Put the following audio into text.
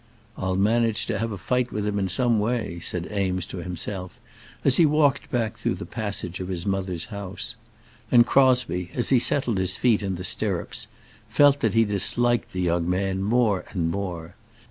"I'll manage to have a fight with him in some way," said Eames to himself as he walked back through the passage of his mother's house. And Crosbie, as he settled his feet in the stirrups, felt that he disliked the young man more and more.